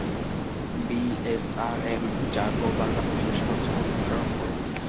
BSRM জাগো বাংলাদেশের সঞ্চালক মোশাররফ করিম।